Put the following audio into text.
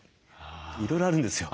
いろいろあるんですよ。